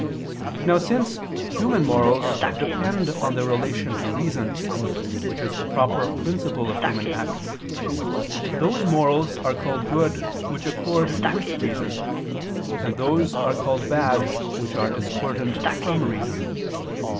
Now since human morals depend on their relation to reason, which is the proper principle of human acts, those morals are called good which accord with reason, and those are called bad which are discordant from reason.